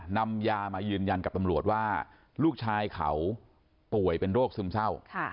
นำยามายืนยันกับตำรวจว่าลูกชายเขาป่วยเป็นโรคซึมเศร้า